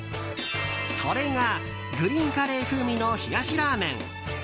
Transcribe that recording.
それがグリーンカレー風味の冷やしラーメン。